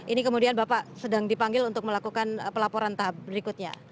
ini kemudian bapak sedang dipanggil untuk melakukan pelaporan tahap berikutnya